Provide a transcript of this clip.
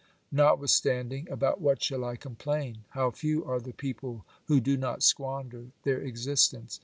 Notwithstanding, about what shall I complain ? How few are the people who do not squander their existence?